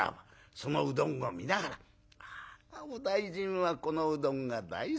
そのうどんを見ながら『あお大尽はこのうどんが大好きだった。